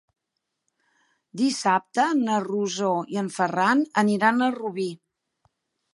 Dissabte na Rosó i en Ferran aniran a Rubí.